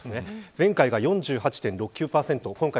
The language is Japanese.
前回が４６．８９％